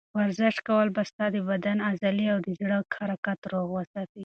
ورزش کول به ستا د بدن عضلې او د زړه حرکت روغ وساتي.